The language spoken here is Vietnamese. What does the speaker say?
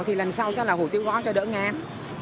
thì lần sau sẽ là hủ tiếu gõ cho đỡ ngán